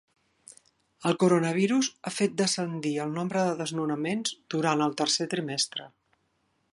El coronavirus ha fet descendir el nombre de desnonaments durat el tercer trimestre